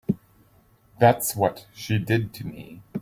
That's what she did to me.